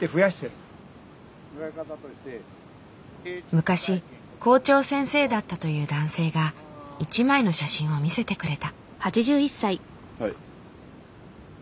昔校長先生だったという男性が一枚の写真を見せてくれた。